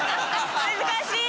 難しい！